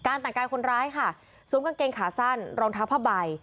แต่งกายคนร้ายค่ะสวมกางเกงขาสั้นรองเท้าผ้าใบ